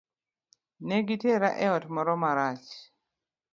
Negi tera e ot moro marach.